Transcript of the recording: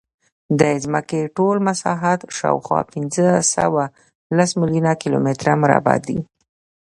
د ځمکې ټول مساحت شاوخوا پینځهسوهلس میلیونه کیلومتره مربع دی.